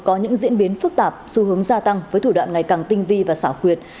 có những diễn biến phức tạp xu hướng gia tăng với thủ đoạn ngày càng tinh vi và xảo quyệt